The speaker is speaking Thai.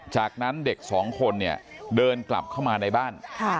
จากนั้นเด็กสองคนเนี่ยเดินกลับเข้ามาในบ้าน